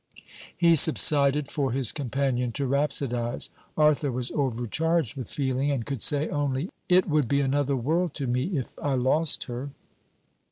He subsided for his companion to rhapsodize. Arthur was overcharged with feeling, and could say only: 'It would be another world to me if I lost her.'